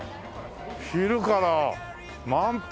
昼から満杯。